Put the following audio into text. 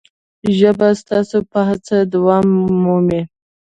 ژبه ستاسو په هڅه دوام مومي.